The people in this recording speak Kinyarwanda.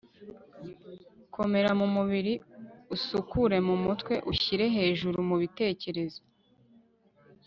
komera mu mubiri, usukure mu mutwe, ushyire hejuru mu bitekerezo